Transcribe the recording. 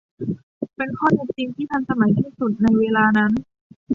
เป็นข้อเท็จจริงที่ทันสมัยที่สุดในเวลานั้น